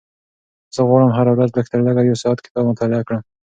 زه غواړم هره ورځ لږترلږه یو ساعت کتاب مطالعه کړم.